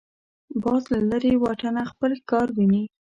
باز له لرې واټنه خپل ښکار ویني